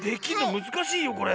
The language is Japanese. むずかしいよこれ。